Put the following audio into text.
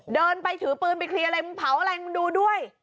เดินไปถือปืนไปเคลียร์อะไรมึงเผาอะไรมึงดูด้วย